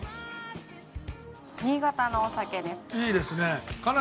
新潟のお酒です。